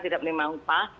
tidak menerima upah